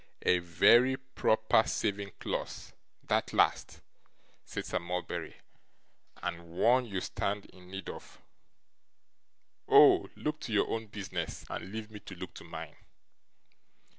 'A very proper saving clause, that last,' said Sir Mulberry; 'and one you stand in need of. Oh! look to your own business, and leave me to look to mine.